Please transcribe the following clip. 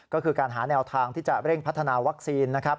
ก็คือการหาแนวทางที่จะเร่งพัฒนาวัคซีนนะครับ